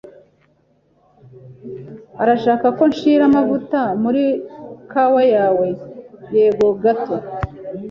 "Urashaka ko nshira amavuta muri kawa yawe?" "Yego, gato."